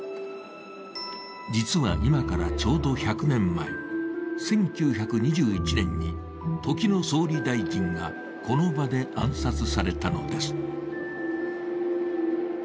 実は今からちょうど１００年前、１９２１年に時の総理大臣がこの場で暗殺されたのです。